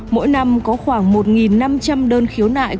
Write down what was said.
mỗi năm có khoảng một năm trăm linh đơn khiếu nại